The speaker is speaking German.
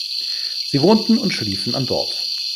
Sie wohnten und schliefen an Bord.